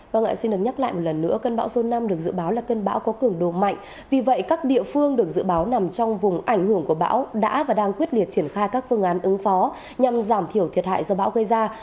vâng ạ xin được nhắc lại một lần nữa cơn bão số năm được dự báo là cơn bão có cường độ mạnh vì vậy các địa phương được dự báo nằm trong vùng ảnh hưởng của bão đã và đang quyết liệt triển khai các phương án ứng phó nhằm giảm thiểu thiệt hại do bão gây ra